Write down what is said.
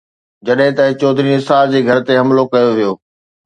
جڏهن ته چوڌري نثار جي گهر تي حملو ڪيو ويو.